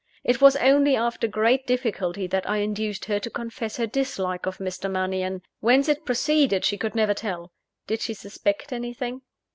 It was only after great difficulty that I induced her to confess her dislike of Mr. Mannion. Whence it proceeded she could never tell. Did she suspect anything?